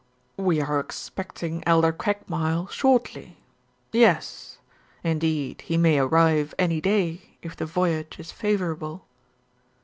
"We are expecting Elder Craigmile shortly. Yes. Indeed he may arrive any day, if the voyage is favorable."